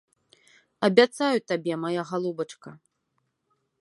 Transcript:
Абяцаю табе, мая галубачка.